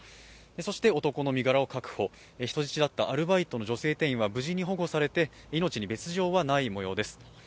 そして、男の身柄を確保、人質だったアルバイトの女性店員は無事に保護されて命に別状はないもようです。